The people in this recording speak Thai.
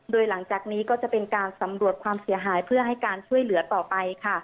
โดยหลังจากนี้ก็จะเป็นการสำรวจความเสียหายเพื่อให้การช่วยเหลือต่อไปค่ะ